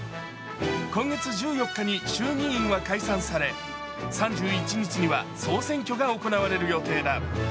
今月１４日に衆議院は解散され３１日には総選挙が行われる予定だ。